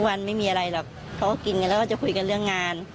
วันไม่มีอะไรหรอกเขาก็กินกันแล้วก็จะคุยกันเรื่องงาน